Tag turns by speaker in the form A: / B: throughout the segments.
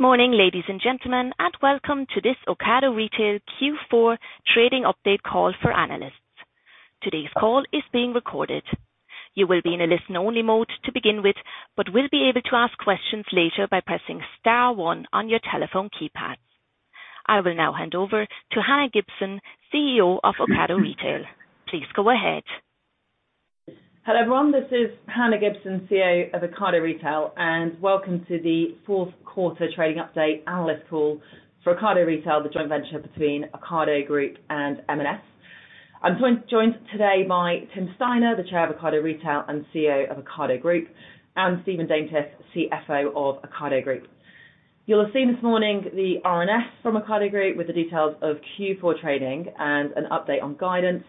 A: Good morning, ladies and gentlemen. Welcome to this Ocado Retail Q4 trading update call for analysts. Today's call is being recorded. You will be in a listen only mode to begin with, but will be able to ask questions later by pressing star one on your telephone keypad. I will now hand over to Hannah Gibson, CEO of Ocado Retail. Please go ahead.
B: Hello, everyone. This is Hannah Gibson, CEO of Ocado Retail. And welcome to the fourth quarter trading update analyst call for Ocado Retail, the joint venture between Ocado Group and M&S. I'm joined today by Tim Steiner, the chair of Ocado Retail and CEO of Ocado Group, and Stephen Daintith, CFO of Ocado Group. You'll have seen this morning the RNS from Ocado Group with the details of Q4 trading and an update on guidance,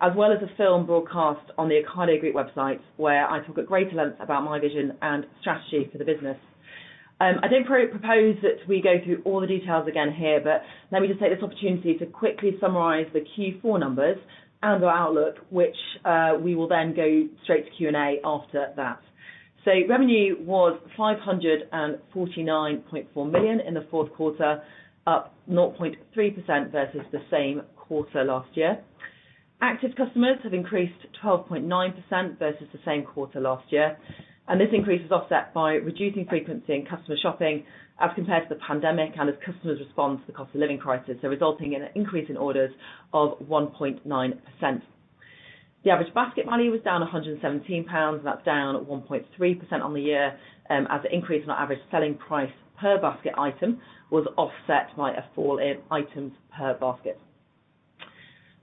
B: as well as a film broadcast on the Ocado Group website, where I talk at greater length about my vision and strategy for the business. I don't propose that we go through all the details again here. Let me just take this opportunity to quickly summarize the Q4 numbers and our outlook, which we will go straight to Q&A after that. Revenue was 549.4 million in the fourth quarter, up 0.3% versus the same quarter last year. Active customers have increased 12.9% versus the same quarter last year, and this increase is offset by reducing frequency in customer shopping as compared to the pandemic and as customers respond to the cost of living crisis, so resulting in an increase in orders of 1.9%. The average basket money was down £117, and that's down 1.3% on the year, as the increase in our average selling price per basket item was offset by a fall in items per basket.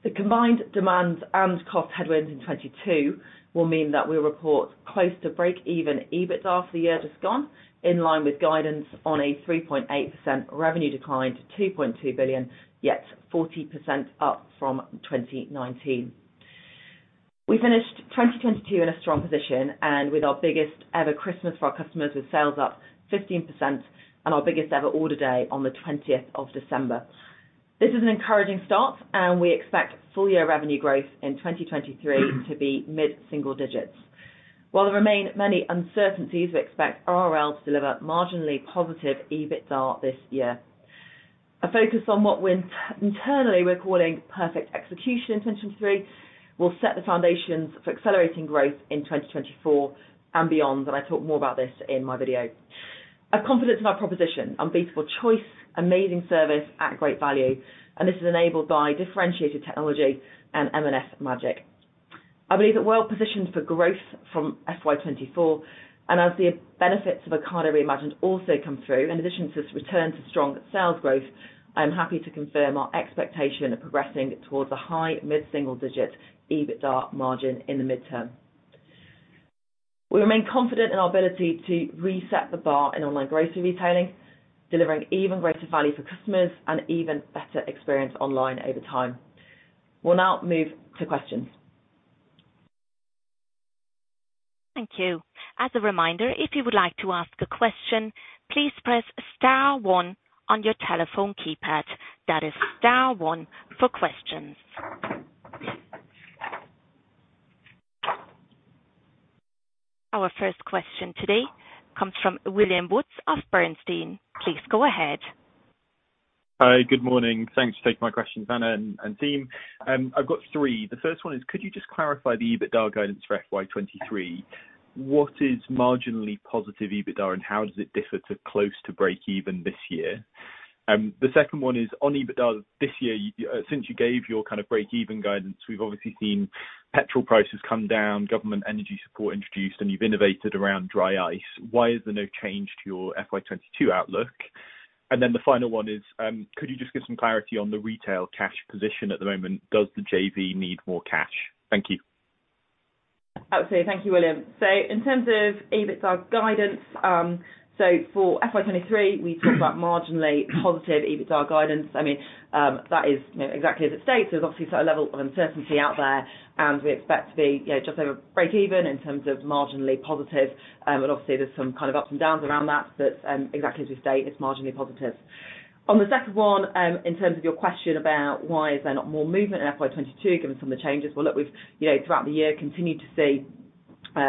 B: The combined demands and cost headwinds in 22 will mean that we report close to break-even EBITDA after the year just gone, in line with guidance on a 3.8% revenue decline to 2.2 billion, yet 40% up from 2019. We finished 2022 in a strong position and with our biggest ever Christmas for our customers, with sales up 15% and our biggest ever order day on the 20th of December. This is an encouraging start. We expect full year revenue growth in 2023 to be mid-single digits. While there remain many uncertainties, we expect RRL to deliver marginally positive EBITDA this year. A focus on what we're internally recording perfect execution in 2023 will set the foundations for accelerating growth in 2024 and beyond. I talk more about this in my video. A confidence in our proposition, unbeatable choice, amazing service at great value. This is enabled by differentiated technology and M&S magic. I believe we're well positioned for growth from FY24 and as the benefits of Ocado Re:Imagined also come through, in addition to return to strong sales growth, I am happy to confirm our expectation of progressing towards a high mid-single-digit EBITDA margin in the midterm. We remain confident in our ability to reset the bar in online grocery retailing, delivering even greater value for customers and even better experience online over time. We'll now move to questions.
A: Thank you. As a reminder, if you would like to ask a question, please press star one on your telephone keypad. That is star one for questions. Our first question today comes from William Woods of Bernstein. Please go ahead.
C: Hi. Good morning. Thanks for taking my question, Hannah and team. I've got three. The first one is could you just clarify the EBITDA guidance for FY23? What is marginally positive EBITDA, and how does it differ to close to break even this year? The second one is on EBITDA this year, since you gave your kind of break even guidance, we've obviously seen petrol prices come down, government energy support introduced, and you've innovated around dry ice. Why is there no change to your FY22 outlook? Then the final one is could you just give some clarity on the retail cash position at the moment? Does the JV need more cash? Thank you.
B: Absolutely. Thank you, William. In terms of EBITDA guidance, for FY23, we talked about marginally positive EBITDA guidance. I mean, that is, you know, exactly as it states. There's obviously still a level of uncertainty out there, and we expect to be, you know, just over break even in terms of marginally positive. Obviously there's some kind of ups and downs around that, exactly as we state, it's marginally positive. On the second one, in terms of your question about why is there not more movement in FY22 given some of the changes. Look, we've, you know, throughout the year continued to see,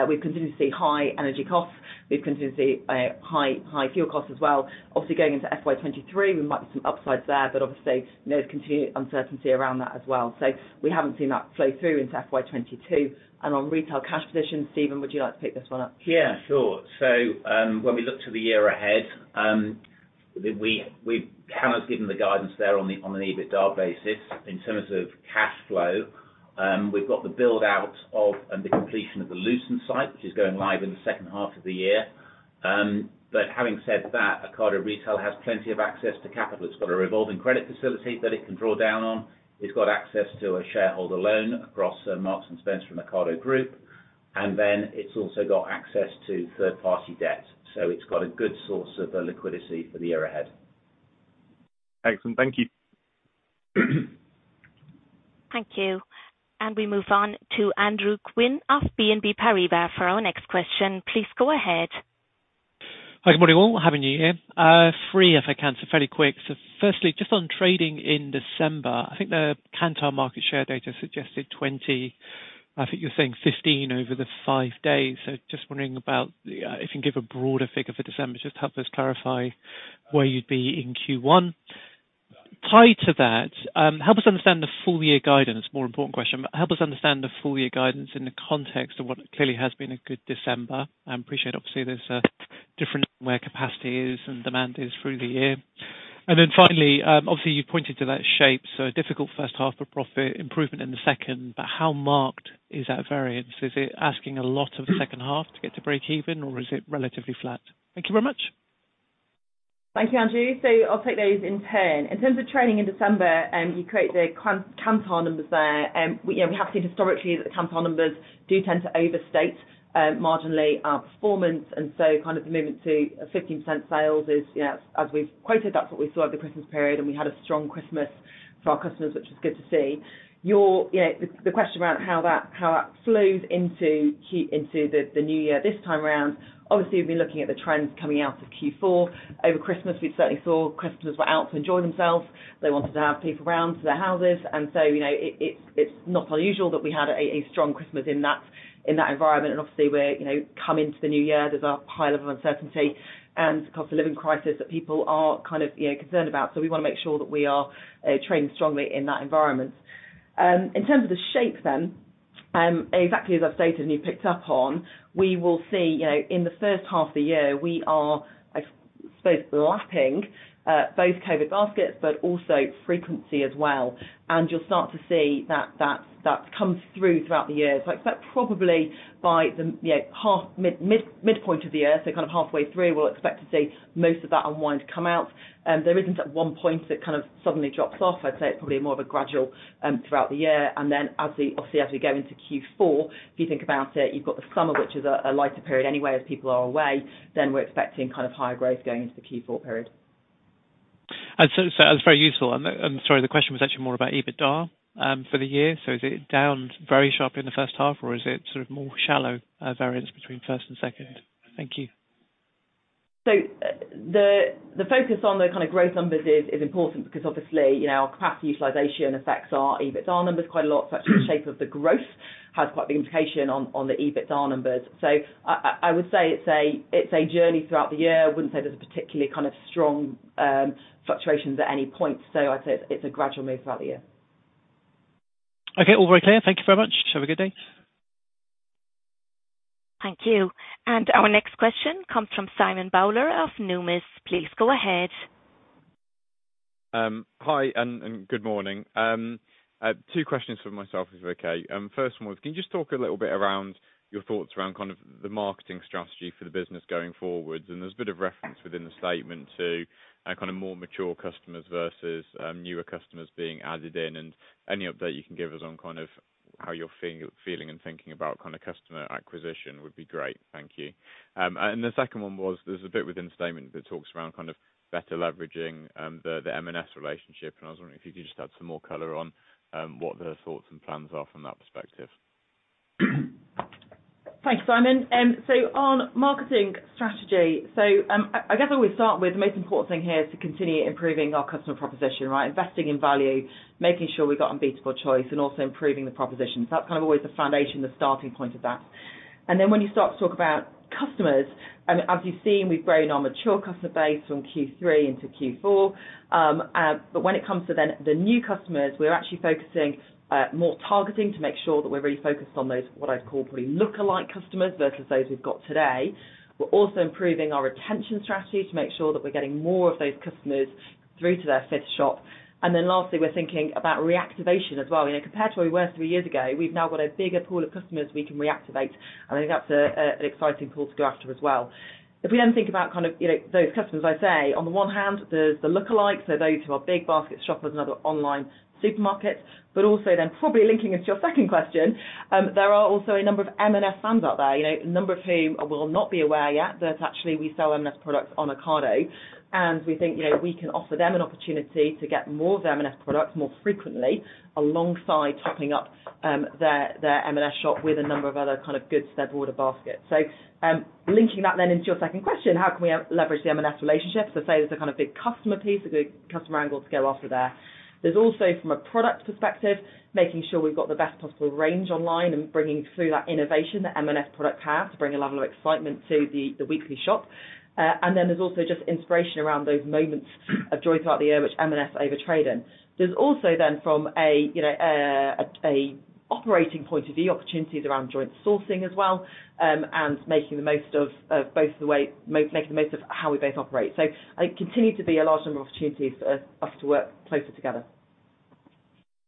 B: we've continued to see high energy costs. We've continued to see high fuel costs as well. Obviously going into FY23, we might see some upsides there, but obviously there's continued uncertainty around that as well. We haven't seen that flow through into FY22. On retail cash position, Stephen, would you like to pick this one up?
D: Yeah, sure. When we look to the year ahead, we cannot have given the guidance there on an EBITDA basis in terms of cash flow. We've got the build out of and the completion of the Luton site, which is going live in the second half of the year. Having said that, Ocado Retail has plenty of access to capital. It's got a revolving credit facility that it can draw down on. It's got access to a shareholder loan across Marks & Spencer and Ocado Group, and then it's also got access to third-party debt. It's got a good source of liquidity for the year ahead.
C: Excellent. Thank you.
A: Thank you. We move on to Andrew Gwynn of BNP Paribas for our next question. Please go ahead.
E: Hi, good morning all. Having you here. three if I can, so fairly quick. Firstly, just on trading in December, I think the Kantar market share data suggested 20. I think you're saying 15 over the five days. Just wondering about the, if you can give a broader figure for December, just to help us clarify where you'd be in Q1? Tied to that, help us understand the full year guidance. More important question, but help us understand the full year guidance in the context of what clearly has been a good December. I appreciate, obviously, there's different where capacity is and demand is through the year. Finally, obviously, you've pointed to that shape, so a difficult first half of profit, improvement in the second, but how marked is that variance? Is it asking a lot of the second half to get to break even, or is it relatively flat? Thank you very much.
B: Thank you, Andrew. I'll take those in turn. In terms of trading in December, you know, you create the Kantar numbers there and we, you know, we have seen historically that the Kantar numbers do tend to overstate marginally our performance. Kind of the movement to a 15% sales is, you know, as we've quoted, that's what we saw at the Christmas period, and we had a strong Christmas for our customers, which was good to see. Your, you know, the question around how that flows into the new year this time around, obviously, we've been looking at the trends coming out of Q4. Over Christmas, we've certainly saw customers were out to enjoy themselves. They wanted to have people round to their houses, you know, it's not unusual that we had a strong Christmas in that environment. Obviously we're, you know, come into the new year, there's a high level of uncertainty and cost of living crisis that people are kind of, you know, concerned about. We want to make sure that we are trading strongly in that environment. In terms of the shape then, exactly as I've stated and you picked up on, we will see, you know, in the first half of the year, we are, I suppose lapping both COVID baskets, but also frequency as well. You'll start to see that's come through throughout the year. I expect probably by the, you know, half mid, mid-point of the year, so kind of halfway through, we'll expect to see most of that unwind come out. There isn't at one point it kind of suddenly drops off. I'd say it's probably more of a gradual throughout the year. Obviously, as we go into Q4, if you think about it, you've got the summer, which is a lighter period anyway, as people are away. We're expecting kind of higher growth going into the Q4 period.
E: That's very useful. I'm sorry, the question was actually more about EBITDA for the year. Is it down very sharply in the first half, or is it sort of more shallow variance between first and second? Thank you.
B: The focus on the kind of growth numbers is important because obviously, you know, our capacity utilization affects our EBITDA numbers quite a lot, so actually the shape of the growth has quite a big implication on the EBITDA numbers. I would say it's a journey throughout the year. I wouldn't say there's a particularly kind of strong fluctuations at any point. I'd say it's a gradual move throughout the year.
E: Okay. All very clear. Thank you very much. Have a good day.
A: Thank you. Our next question comes from Simon Bowler of Numis. Please go ahead.
F: Hi, and good morning. I have two questions from myself, if okay. First one was, can you just talk a little bit around your thoughts around kind of the marketing strategy for the business going forward? There's a bit of reference within the statement to a kind of more mature customers versus newer customers being added in. Any update you can give us on kind of how you're feeling and thinking about kind of customer acquisition would be great. Thank you. The second one was, there's a bit within the statement that talks around kind of better leveraging the M&S relationship, and I was wondering if you could just add some more color on what the thoughts and plans are from that perspective.
B: Thank you, Simon. On marketing strategy, I guess I would start with the most important thing here is to continue improving our customer proposition, right? Investing in value, making sure we got unbeatable choice and also improving the propositions. That's kind of always the foundation, the starting point of that. When you start to talk about customers, I mean, as you've seen, we've grown our mature customer base from Q3 into Q4. When it comes to the new customers, we're actually focusing more targeting to make sure that we're really focused on those, what I'd call probably lookalike customers versus those we've got today. We're also improving our retention strategy to make sure that we're getting more of those customers through to their fifth shop. Lastly, we're thinking about reactivation as well. You know, compared to where we were three years ago, we've now got a bigger pool of customers we can reactivate, and I think that's an exciting pool to go after as well. If we then think about kind of, you know, those customers, I'd say on the one hand, there's the lookalikes, so those who are big basket shoppers and other online supermarkets, but also then probably linking into your second question, there are also a number of M&S fans out there, you know, a number of whom will not be aware yet that actually we sell M&S products on Ocado. We think, you know, we can offer them an opportunity to get more of the M&S products more frequently alongside topping up their M&S shop with a number of other kind of goods to their broader basket. Linking that then into your second question, how can we leverage the M&S relationship? Say there's a kind of big customer piece, a good customer angle to go after there. There's also from a product perspective, making sure we've got the best possible range online and bringing through that innovation that M&S products have to bring a level of excitement to the weekly shop. And then there's also just inspiration around those moments of joy throughout the year which M&S overtrade in. There's also then from a, you know, operating point of view, opportunities around joint sourcing as well, and making the most of both making the most of how we both operate. I think continue to be a large number of opportunities for us to work closer together.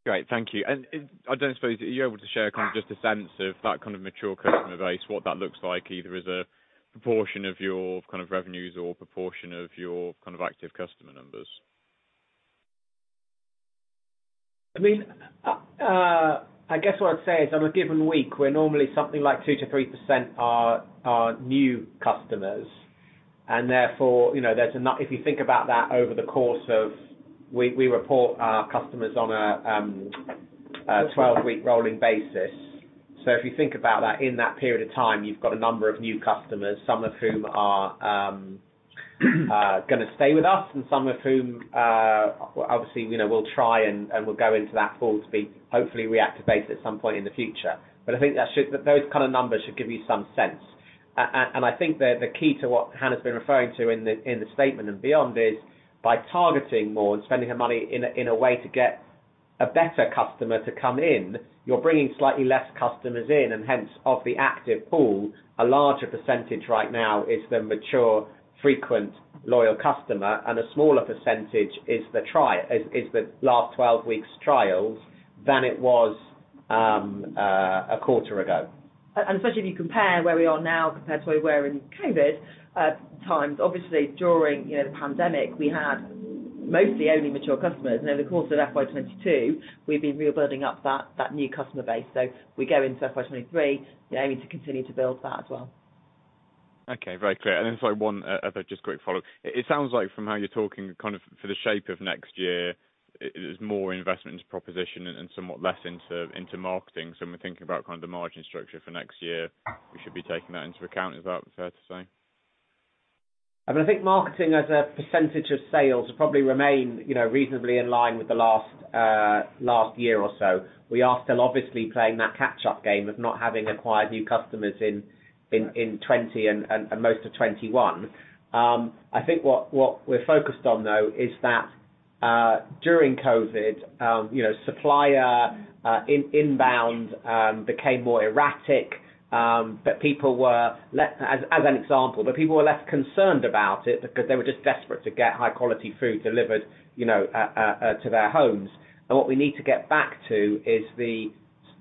F: Great. Thank you. I don't suppose, are you able to share kind of just a sense of that kind of mature customer base, what that looks like, either as a proportion of your kind of revenues or proportion of your kind of active customer numbers?
G: I mean, I guess what I'd say is on a given week, we're normally something like 2%-3% are new customers. Therefore, you know, if you think about that over the course of we report our customers on a 12-week rolling basis. If you think about that, in that period of time, you've got a number of new customers, some of whom are gonna stay with us and some of whom, well, obviously, you know, we'll try and we'll go into that full speed, hopefully reactivate at some point in the future. Those kind of numbers should give you some sense. I think the key to what Hannah's been referring to in the statement and beyond is by targeting more and spending her money in a, in a way to get a better customer to come in, you're bringing slightly less customers in and hence of the active pool, a larger percentage right now is the mature, frequent, loyal customer, and a smaller percentage is the last 12 weeks trials than it was a quarter ago.
B: Especially if you compare where we are now compared to where we were in COVID times. Obviously, during, you know, the pandemic, we had mostly only mature customers. Over the course of FY22, we've been real building up that new customer base. We go into FY23, we're aiming to continue to build that as well.
F: Okay. Very clear. Then sorry, one other just quick follow. It sounds like from how you're talking kind of for the shape of next year, it is more investment into proposition and somewhat less into marketing. When we're thinking about kind of the margin structure for next year... We should be taking that into account. Is that fair to say?
G: I mean, I think marketing as a percentage of sales will probably remain, you know, reasonably in line with the last last year or so. We are still obviously playing that catch up game of not having acquired new customers in 20 and most of 21. I think what we're focused on though is that during COVID, you know, supplier inbound became more erratic. People were as an example, but people were less concerned about it because they were just desperate to get high quality food delivered, you know, to their homes. What we need to get back to is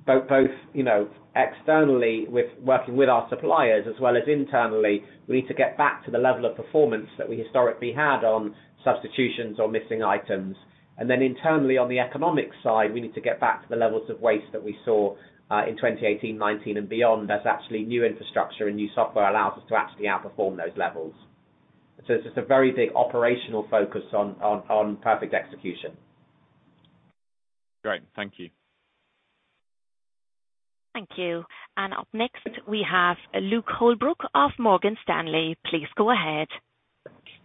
G: both, you know, externally with working with our suppliers as well as internally, we need to get back to the level of performance that we historically had on substitutions or missing items. Then internally, on the economic side, we need to get back to the levels of waste that we saw in 2018, 2019 and beyond, as actually new infrastructure and new software allows us to actually outperform those levels. It's just a very big operational focus on perfect execution.
F: Great. Thank you.
A: Thank you. Up next we have Luke Holbrook of Morgan Stanley. Please go ahead.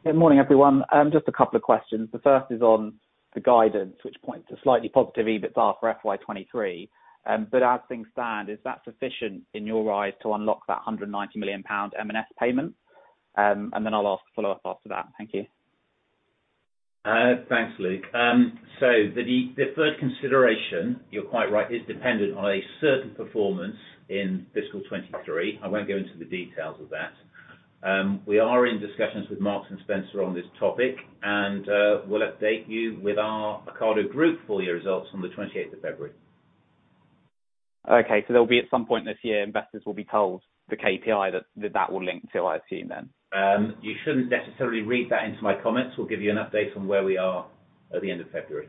H: Good morning, everyone. I'm just a couple of questions. The first is on the guidance, which points to slightly positive EBITDAR for FY23. As things stand, is that sufficient in your eyes to unlock that £190 million M&S payment? Then I'll ask a follow-up after that. Thank you.
G: Thanks, Luke. Say the deferred consideration, you're quite right, is dependent on a certain performance in fiscal 2023. I won't go into the details of that. We are in discussions with Marks & Spencer on this topic, and we'll update you with our Ocado Group full year results on the 28th of February.
H: Okay. There'll be at some point this year, investors will be told the KPI that will link to, I assume then.
G: You shouldn't necessarily read that into my comments. We'll give you an update on where we are at the end of February.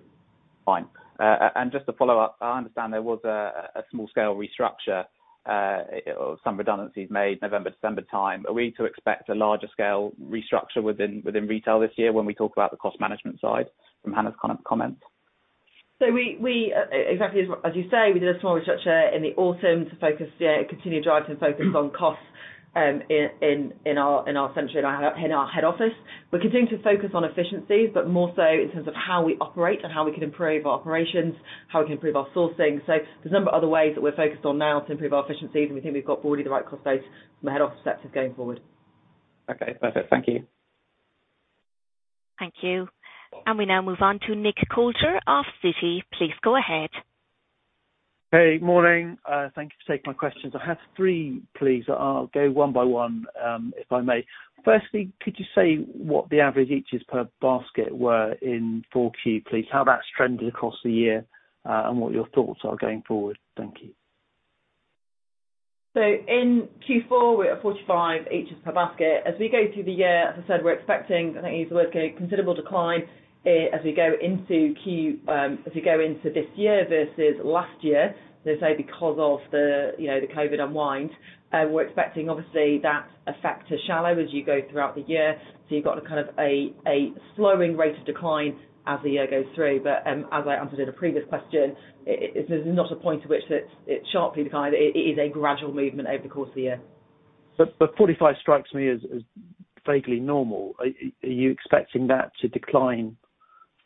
H: Fine. And just to follow up, I understand there was a small scale restructure, or some redundancies made November, December time. Are we to expect a larger scale restructure within retail this year when we talk about the cost management side from Hannah's comments?
B: So we exactly as you say, we did a small restructure in the autumn to focus, continue to drive to focus on costs, in our central and our head office. We're continuing to focus on efficiencies, but more so in terms of how we operate and how we can improve our operations, how we can improve our sourcing. There's a number of other ways that we're focused on now to improve our efficiencies, and we think we've got broadly the right cost base from a head office sector going forward.
H: Okay. Perfect. Thank you.
A: Thank you. We now move on to Nick Coulter of Citi. Please go ahead.
I: Hey. Morning. Thank you for taking my questions. I have three, please. I'll go one by one, if I may. Firstly, could you say what the average each is per basket were in 4Q, please? How that's trended across the year, and what your thoughts are going forward. Thank you.
B: In Q4, we're at 45 each is per basket. As we go through the year, as I said, we're expecting, I think I used the word, a considerable decline, as we go into this year versus last year, let's say because of the, you know, the COVID unwind. We're expecting obviously that effect to shallow as you go throughout the year. You've got a kind of a slowing rate of decline as the year goes through. As I answered in a previous question, there's not a point at which it's sharply declined. It is a gradual movement over the course of the year.
I: The 45 strikes me as vaguely normal. Are you expecting that to decline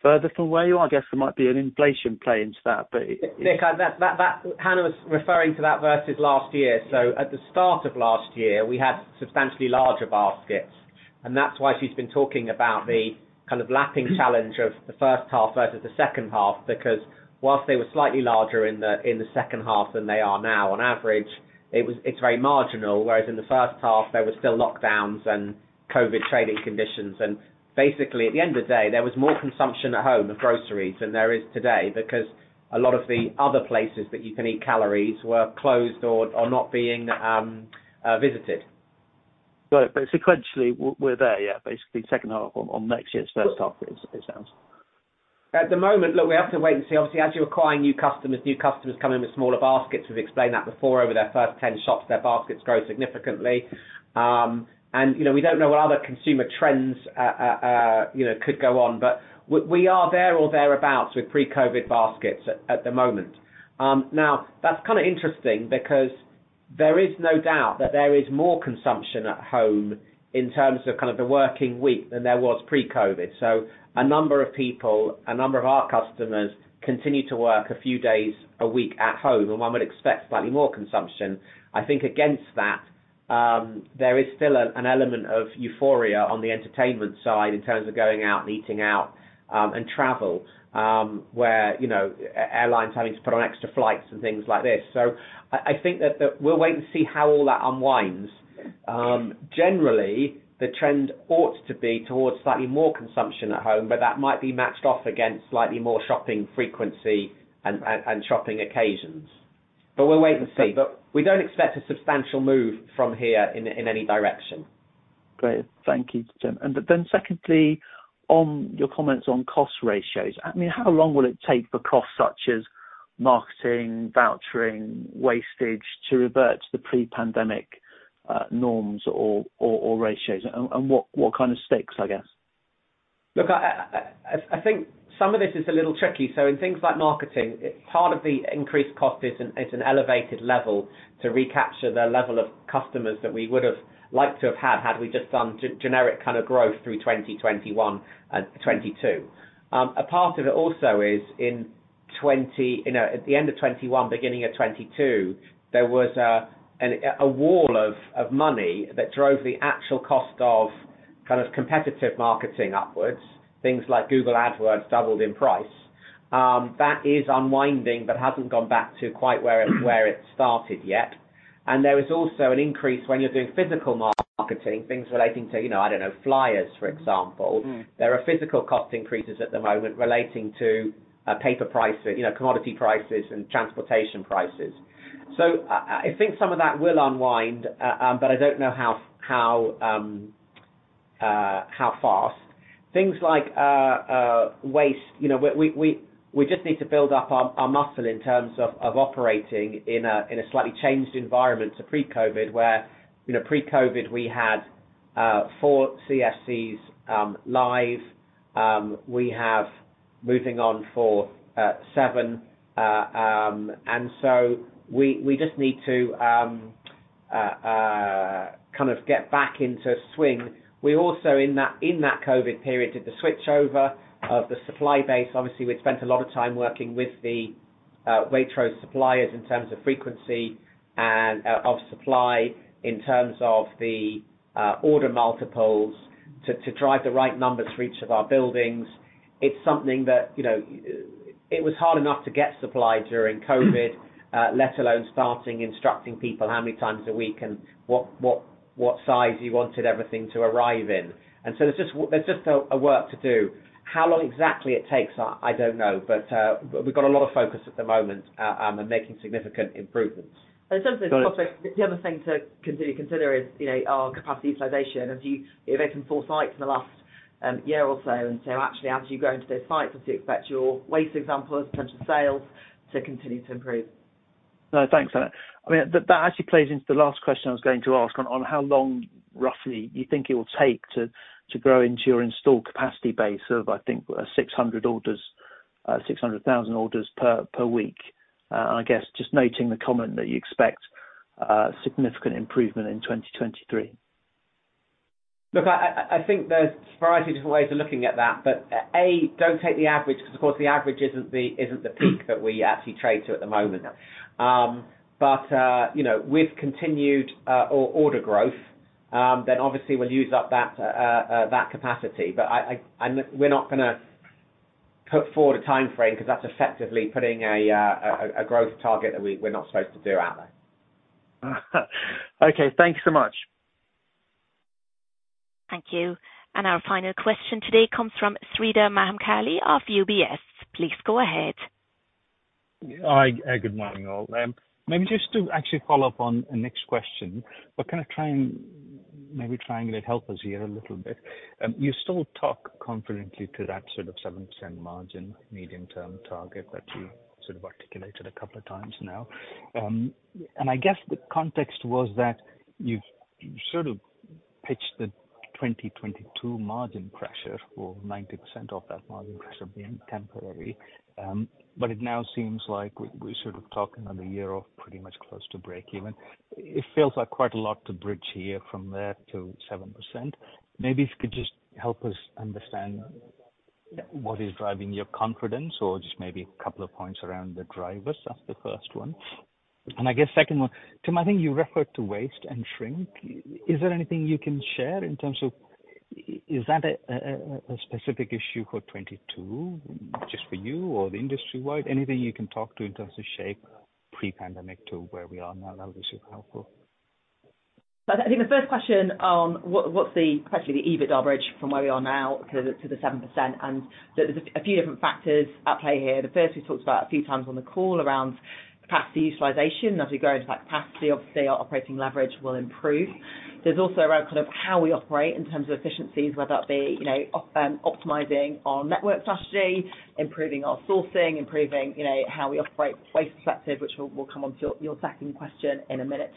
I: further from where you are? I guess there might be an inflation play into that, but.
G: Nick, that Hannah was referring to that versus last year. At the start of last year, we had substantially larger baskets, and that's why she's been talking about the kind of lapping challenge of the first half versus the second half, because whilst they were slightly larger in the second half than they are now, on average, it's very marginal, whereas in the first half, there was still lockdowns and COVID trading conditions. Basically, at the end of the day, there was more consumption at home of groceries than there is today because a lot of the other places that you can eat calories were closed or not being visited.
I: But sequentially, we're there, yeah, basically second half on next year's first half is, it sounds.
G: At the moment, look, we have to wait and see. Obviously, as you acquire new customers, new customers come in with smaller baskets. We've explained that before. Over their first 10 shops, their baskets grow significantly. You know, we don't know what other consumer trends, you know, could go on, but we are there or thereabouts with pre-COVID baskets at the moment. Now, that's kinda interesting. There is no doubt that there is more consumption at home in terms of kind of the working week than there was pre-COVID. A number of people, a number of our customers continue to work a few days a week at home, and one would expect slightly more consumption. I think against that, there is still an element of euphoria on the entertainment side in terms of going out and eating out, and travel, where, you know, airlines having to put on extra flights and things like this. I think that we'll wait and see how all that unwinds. Generally, the trend ought to be towards slightly more consumption at home, but that might be matched off against slightly more shopping frequency and shopping occasions. We'll wait and see. We don't expect a substantial move from here in any direction.
I: Great. Thank you, Tim. Then secondly, on your comments on cost ratios, I mean, how long will it take for costs such as marketing, vouchering, wastage to revert to the pre-pandemic norms or ratios? What kind of stakes, I guess?
G: Look, I think some of this is a little tricky. In things like marketing, part of the increased cost is it's an elevated level to recapture the level of customers that we would've liked to have had we just done generic kind of growth through 2021 and 2022. A part of it also is in, you know, at the end of 2021, beginning of 2022, there was an, a wall of money that drove the actual cost of kind of competitive marketing upwards. Things like Google AdWords doubled in price. That is unwinding, but hasn't gone back to quite where it started yet. There is also an increase when you're doing physical marketing, things relating to, you know, I don't know, flyers, for example.
I: Mm.
G: There are physical cost increases at the moment relating to paper price, you know, commodity prices and transportation prices. I think some of that will unwind, but I don't know how fast. Things like waste, you know, we just need to build up our muscle in terms of operating in a slightly changed environment to pre-COVID, where, you know, pre-COVID, we had four CFCs live. We have moving on for seven. We just need to kind of get back into swing. We also in that COVID period, did the switchover of the supply base. Obviously, we'd spent a lot of time working with the Waitrose suppliers in terms of frequency and of supply in terms of the order multiples to drive the right numbers for each of our buildings. It's something that, you know. It was hard enough to get supply during COVID, let alone starting instructing people how many times a week and what size you wanted everything to arrive in. There's just a work to do. How long exactly it takes, I don't know. We've got a lot of focus at the moment, and making significant improvements.
B: In terms of the cost base, the other thing to consider is, you know, our capacity utilization. As you know, opened four sites in the last year or so, actually, as you grow into those sites, as you expect your waste example in terms of sales to continue to improve.
I: No, thanks for that. I mean, that actually plays into the last question I was going to ask on how long roughly you think it will take to grow into your installed capacity base of, I think, 600 orders, 600,000 orders per week. I guess just noting the comment that you expect significant improvement in 2023.
G: Look, I think there's a variety of different ways of looking at that, but don't take the average because of course the average isn't the, isn't the peak that we actually trade to at the moment. You know, with continued order growth, then obviously we'll use up that capacity. We're not gonna put forward a timeframe because that's effectively putting a growth target that we're not supposed to do out there.
I: Okay, thank you so much.
A: Thank you. Our final question today comes from Sreedhar Mahamkali of UBS. Please go ahead.
J: Hi. Good morning, all. Maybe just to actually follow up on Nick's question, but kind of try and maybe triangulate, help us here a little bit. You still talk confidently to that sort of 7% margin medium-term target that you sort of articulated a couple of times now. I guess the context was that you've sort of pitched the 2022 margin pressure or 90% of that margin pressure being temporary. It now seems like we're sort of talking on the year of pretty much close to break even. It feels like quite a lot to bridge here from there to 7%. Maybe if you could just help us understand what is driving your confidence or just maybe a couple of points around the drivers. That's the first one. I guess second one, Tim, I think you referred to waste and shrink. Is there anything you can share in terms of is that a specific issue for 2022 just for you or the industry wide? Anything you can talk to in terms of shape pre-pandemic to where we are now, that would be super helpful.
B: I think the first question on what's the, especially the EBIT bridge from where we are now to the 7%. There's a few different factors at play here. The first we've talked about a few times on the call around capacity utilization. As we grow into that capacity, obviously our operating leverage will improve. There's also around kind of how we operate in terms of efficiencies, whether that be, you know, optimizing our network strategy, improving our sourcing, improving, you know, how we operate waste effective, which we'll come on to your second question in a minute.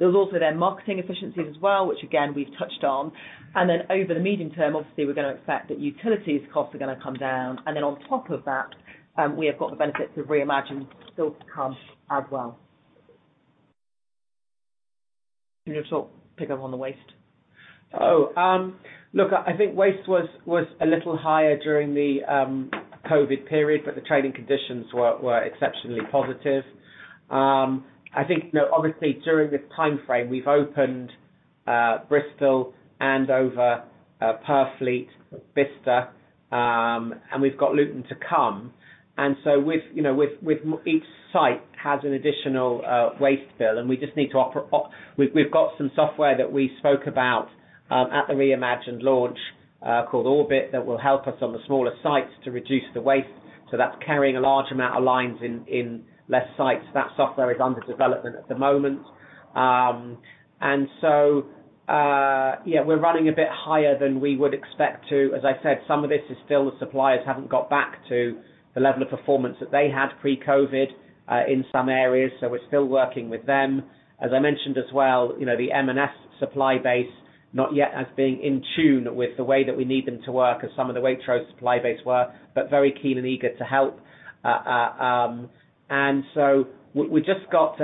B: There's also marketing efficiencies as well, which again, we've touched on. Over the medium term, obviously we're going to expect that utilities costs are going to come down. On top of that, we have got the benefits of Re: Imagined still to come as well. You know, sort of pick up on the waste.
G: Look, I think waste was a little higher during the COVID period, the trading conditions were exceptionally positive. I think, you know, obviously during this time frame, we've opened Bristol, Andover, Purfleet, Bicester, we've got Luton to come. With, you know, with each site has an additional waste bill, We've got some software that we spoke about at the Re:Imagined launch called Orbit, that will help us on the smaller sites to reduce the waste. That's carrying a large amount of lines in less sites. That software is under development at the moment. Yeah, we're running a bit higher than we would expect to. As I said, some of this is still the suppliers haven't got back to the level of performance that they had pre-COVID, in some areas, so we're still working with them. As I mentioned as well, you know, the M&S supply base, not yet as being in tune with the way that we need them to work as some of the Waitrose supply base were, but very keen and eager to help. We just got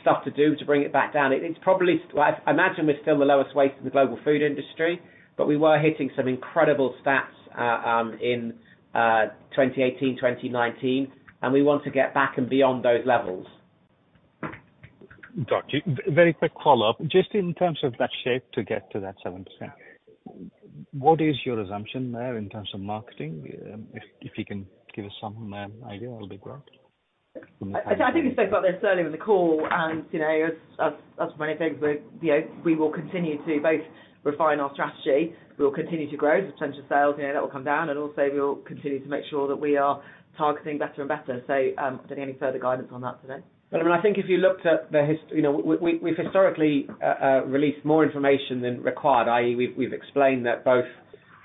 G: stuff to do to bring it back down. It's probably. Well, I imagine we're still the lowest waste in the global food industry, but we were hitting some incredible stats, in 2018, 2019, and we want to get back and beyond those levels.
J: Got you. Very quick follow-up. Just in terms of that shape to get to that 7%, what is your assumption there in terms of marketing? If you can give us some idea, that'll be great.
B: I think we spoke about this earlier in the call and, you know, as many things, we, you know, we will continue to both refine our strategy. We will continue to grow the potential sales, you know. That will come down, and also we will continue to make sure that we are targeting better and better. Don't have any further guidance on that today.
G: I mean, I think if you looked at the You know, we've historically released more information than required, i.e. we've explained that both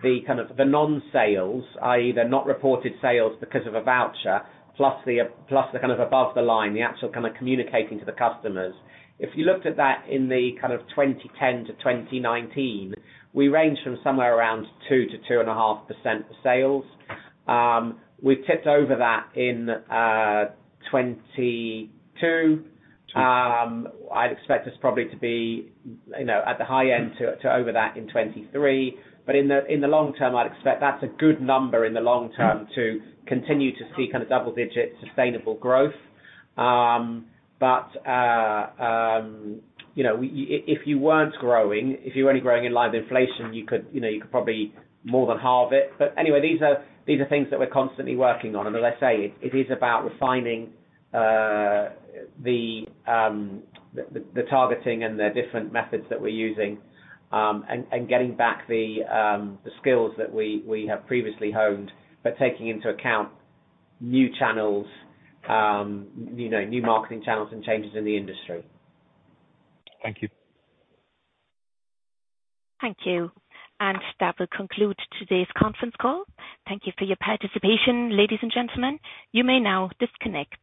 G: the kind of the non-sales, i.e. they're not reported sales because of a voucher, plus the kind of above the line, the actual kind of communicating to the customers. If you looked at that in the kind of 2010 to 2019, we range from somewhere around 2% to 2.5% of sales. We tipped over that in 2022. I'd expect us probably to be, you know, at the high end to over that in 2023. In the long term, I'd expect that's a good number in the long term to continue to see kind of double-digit sustainable growth. You know, If, if you weren't growing, if you were only growing in line with inflation, you could, you know, you could probably more than halve it. Anyway, these are things that we're constantly working on. As I say, it is about refining the targeting and the different methods that we're using, and getting back the skills that we have previously honed, but taking into account new channels, you know, new marketing channels and changes in the industry.
J: Thank you.
A: Thank you. That will conclude today's conference call. Thank you for your participation, ladies and gentlemen. You may now disconnect.